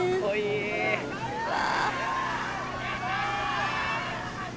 うわ。